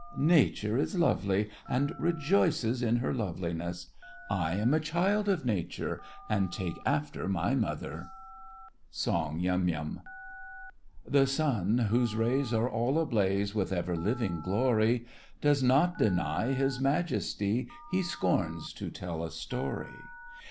Nature is lovely and rejoices in her loveliness. I am a child of Nature, and take after my mother. SONG—YUM YUM. The sun, whose rays Are all ablaze With ever living glory, Does not deny His majesty— He scorns to tell a story!